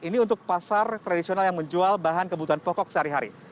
ini untuk pasar tradisional yang menjual bahan kebutuhan pokok sehari hari